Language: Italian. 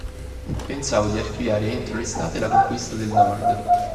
Pensavo di archiviare entro l’estate la conquista del Nord